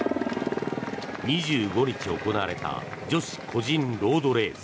２５日に行われた女子個人ロードレース。